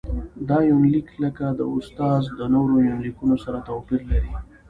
دا يونليک لکه د استاد د نورو يونليکونو سره تواپېر لري.